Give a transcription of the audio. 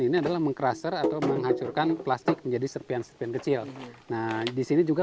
ini adalah meng crusher atau menghancurkan plastik menjadi serpian serpian kecil nah disini juga